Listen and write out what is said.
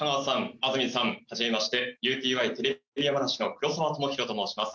安住さんはじめましてＵＴＹテレビ山梨の黒澤知弘と申します